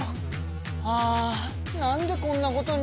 あなんでこんなことに。